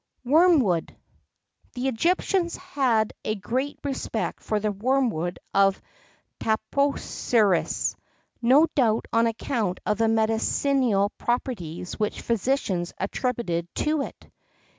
DUTOUR. WORMWOOD. The Egyptians had a great respect for the wormwood of Taposiris, no doubt on account of the medicinal properties which physicians attributed to it.